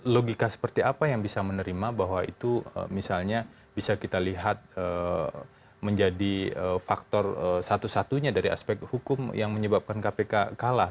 logika seperti apa yang bisa menerima bahwa itu misalnya bisa kita lihat menjadi faktor satu satunya dari aspek hukum yang menyebabkan kpk kalah